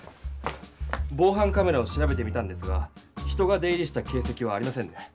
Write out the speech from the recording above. ぼうはんカメラを調べてみたんですが人が出入りした形せきはありませんね。